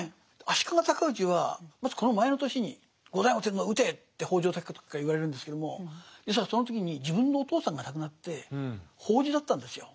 足利高氏はまずこの前の年に後醍醐天皇を討てって北条高時から言われるんですけども実はその時に自分のお父さんが亡くなって法事だったんですよ。